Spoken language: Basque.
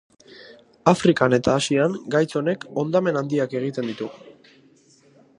Afrikan eta Asian gaitz honek hondamen handiak egiten ditu.